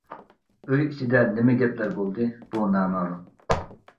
ئۆي ئىچىدە نېمە گەپلەر بولدى، بۇ نامەلۇم.